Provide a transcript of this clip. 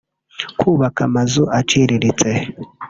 kubaka amazi aciriritse